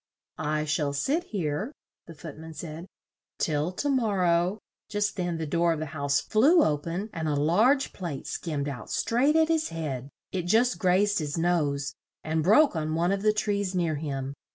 "I shall sit here," the Foot man said, "till to mor row " Just then the door of the house flew o pen and a large plate skimmed out straight at his head; it just grazed his nose and broke on one of the trees near him.